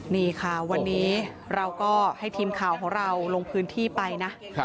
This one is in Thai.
นี่ค่ะวันนี้เราก็ให้ทีมข่าวของเราลงพื้นที่ไปนะ